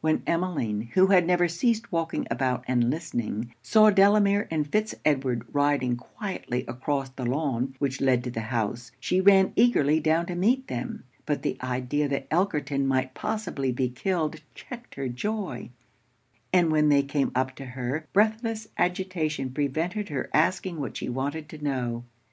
When Emmeline, who had never ceased walking about and listening, saw Delamere and Fitz Edward riding quietly across the lawn which led to the house, she ran eagerly down to meet them: but the idea that Elkerton might possibly be killed checked her joy; and when they came up to her, breathless agitation prevented her asking what she wanted to know.